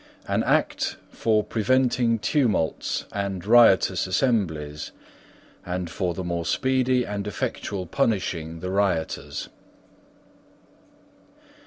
An act for preventing tumults and riotous assemblies, and for the more speedy and effectual punishing the rioters.